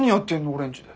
俺んちで。